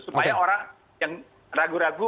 supaya orang yang ragu ragu